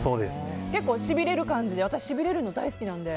結構しびれる感じで私しびれるの大好きなので。